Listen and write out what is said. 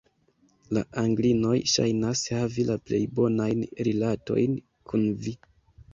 La Anglinoj ŝajnas havi la plej bonajn rilatojn kun vi.